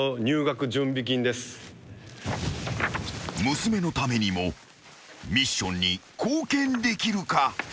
［娘のためにもミッションに貢献できるか？］